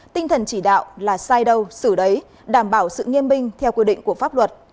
tinh thần chỉ đạo là sai đâu xử đấy đảm bảo sự nghiêm binh theo quy định của pháp luật